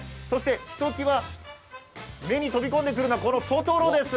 ひときわ目に飛び込んでくるのは、トトロです。